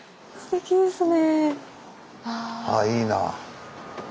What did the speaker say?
ああいいな。